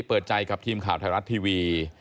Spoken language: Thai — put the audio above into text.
เปิดใจกับทีมข่าวไทยรัฐทีวี